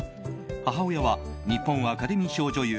母親は、アカデミー賞女優